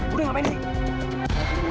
budi ngapain sih